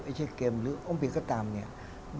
อะไรเช่นแบบเกมหรือองค์เบลลิกก็ตามเนี่ย